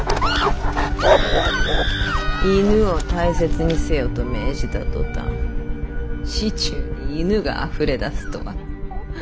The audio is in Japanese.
犬を大切にせよと命じた途端市中に犬があふれ出すとは。